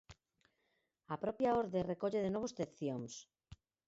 A propia orde recolle de novo excepcións.